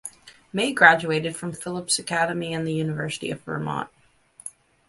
May graduated from Phillips Academy and the University of Vermont.